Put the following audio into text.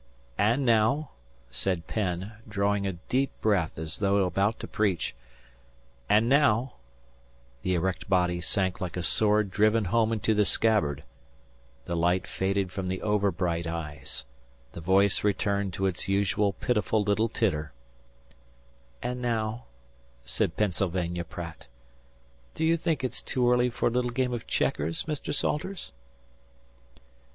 "And now," said Penn, drawing a deep breath as though about to preach. "And now" the erect body sank like a sword driven home into the scabbard; the light faded from the overbright eyes; the voice returned to its usual pitiful little titter "and now," said Pennsylvania Pratt, "do you think it's too early for a little game of checkers, Mr. Salters?"